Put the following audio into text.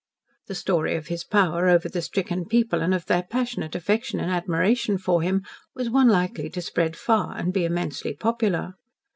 The story of his power over the stricken people, and of their passionate affection and admiration for him, was one likely to spread far, and be immensely popular.